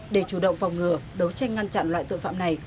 để chủ động phòng ngừa đấu tranh ngăn chặn loại tội phạm này